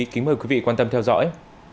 kính mời quý vị quan tâm theo dõi